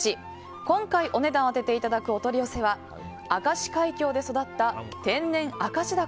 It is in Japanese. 今回お値段を当てていただくお取り寄せは明石海峡で育った天然明石だこ